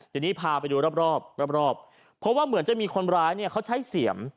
ทีนี้พาไปดูรอบรอบเพราะว่าเหมือนจะมีคนร้ายเนี่ยเขาใช้เสียม